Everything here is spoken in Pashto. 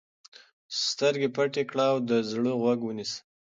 سترګې پټې کړه او د زړه غوږ ونیسه.